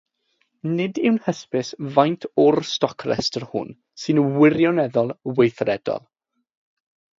Nid yw'n hysbys faint o'r stocrestr hwn sy'n wirioneddol weithredol.